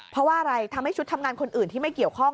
เพราะว่าอะไรทำให้ชุดทำงานคนอื่นที่ไม่เกี่ยวข้อง